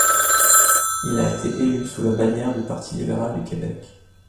Il a été élu sous la bannière du Parti libéral du Québec.